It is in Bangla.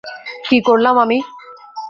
কী করলাম আমি?